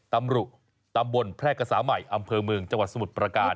ตำรุตำบลแพร่กษาใหม่อำเภอเมืองจังหวัดสมุทรประการ